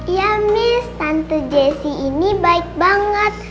ya miss tante jessy ini baik banget